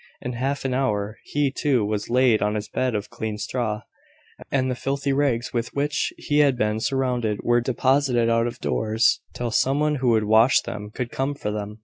In half an hour he, too, was laid on his bed of clean straw; and the filthy rags with which he had been surrounded were deposited out of doors till some one who would wash them could come for them.